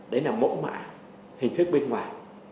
đấy là mẫu mã hình thức bên ngoài